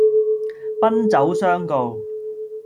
奔走相告